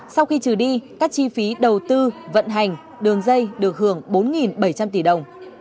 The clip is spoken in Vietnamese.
sau khi trừ đi các chi phí đầu tư vận hành đường dây được hưởng bốn bảy trăm linh tỷ đồng